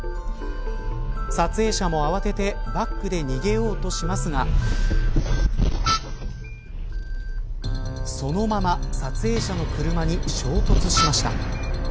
撮影者もあわててバックで逃げようとしますがそのまま撮影者の車に衝突しました。